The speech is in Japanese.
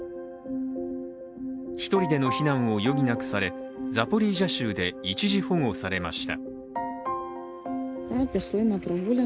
１人での避難を余儀なくされ、ザポリージャ州で一時保護されました。